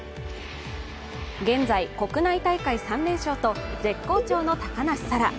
現在、国内大会３連勝と絶好調の高梨沙羅。